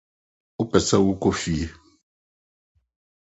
Wɔpɛ sɛ wɔkɔ fie.